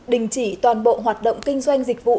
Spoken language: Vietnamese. đình chỉ toàn bộ hoạt động kinh doanh dịch vụ